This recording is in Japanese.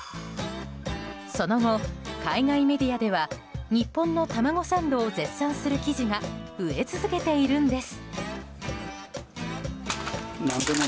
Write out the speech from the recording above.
その後、海外メディアでは日本の卵サンドを絶賛する記事が増え続けているんです。